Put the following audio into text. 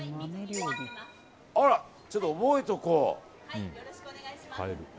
あら、ちょっと覚えておこう。